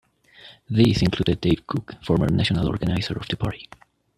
These included Dave Cook, former National Organiser of the party.